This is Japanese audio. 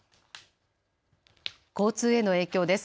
交通への影響です。